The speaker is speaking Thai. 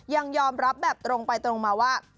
ยังยอมรับแบบตรงไปตรงมาว่า